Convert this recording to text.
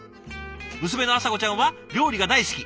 娘のアサコちゃんは料理が大好き。